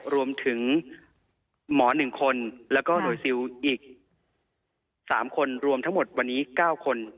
รวมถึงหมอ๑คนแล้วก็หน่วยซิลอีก๓คนรวมทั้งหมดวันนี้๙คน